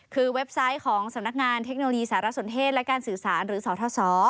คือเว็บไซต์ของสำนักงานเทคโนโลยีสารสนเทศและการสื่อสารหรือสท